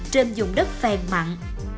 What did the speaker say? trên dùng đất phèn mặn